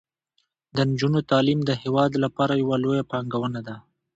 د نجونو تعلیم د هیواد لپاره یوه لویه پانګونه ده.